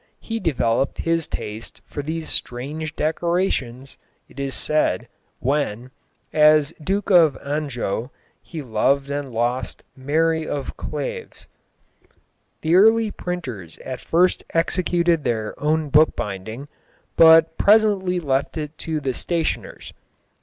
He developed his taste for these strange decorations, it is said, when, as Duke of Anjou, he loved and lost Mary of Clèves. The early printers at first executed their own bookbinding, but presently left it to the stationers.